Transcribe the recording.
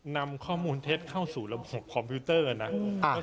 นำข้อมูลเท็จเข้าสู่ระบบคอมพิวเตอร์นะ